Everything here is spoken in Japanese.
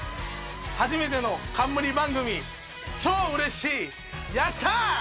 初めての冠番組超うれしいやった！